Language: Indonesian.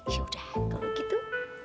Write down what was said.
ya udah kalau gitu